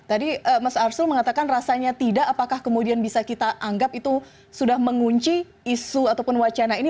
tadi mas arsul mengatakan rasanya tidak apakah kemudian bisa kita anggap itu sudah mengunci isu ataupun wacana ini